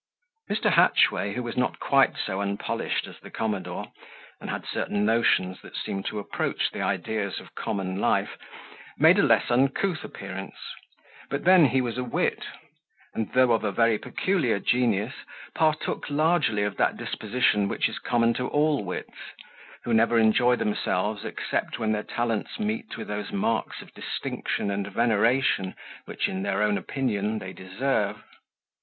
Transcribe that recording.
Mr. Hatchway, who was not quite so unpolished as the commodore, and had certain notions that seemed to approach the ideas of common life, made a less uncouth appearance; but then he was a wit, and though of a very peculiar genius, partook largely of that disposition which is common to all wits, who never enjoy themselves except when their talents meet with those marks of distinction and veneration, which, in their own opinion, they deserve.